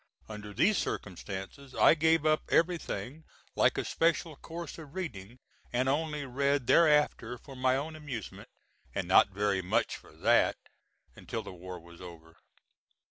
Under these circumstances I gave up everything like a special course of reading, and only read thereafter for my own amusement, and not very much for that, until the war was over.